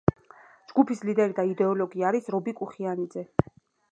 ჯგუფის ლიდერი და იდეოლოგი არის რობი კუხიანიძე.